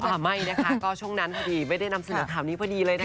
ไม่นะคะก็ช่วงนั้นพอดีไม่ได้นำเสนอข่าวนี้พอดีเลยนะคะ